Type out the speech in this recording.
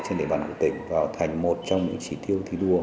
trên địa bàn của tỉnh vào thành một trong những trị tiêu thí đua